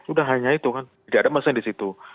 sudah hanya itu kan tidak ada mesin di situ